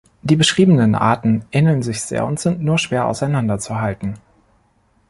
Die beschriebenen Arten ähneln sich sehr und sind nur schwer auseinanderzuhalten.